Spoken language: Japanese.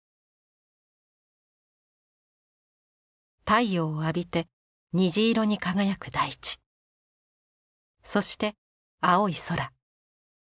太陽を浴びて虹色に輝く大地そして青い空。